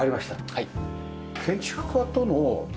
はい。